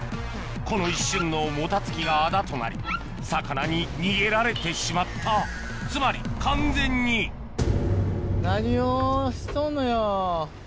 この一瞬のもたつきがあだとなり魚に逃げられてしまったつまり完全に何をしとんのよ。